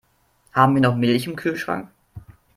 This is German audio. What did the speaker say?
Haben wir noch Milch im Kühlschrank?